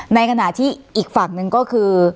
ในขณะที่อีกฝั่งหนึ่งก็คือ